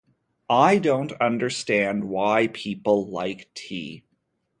I don't understand why people like tea.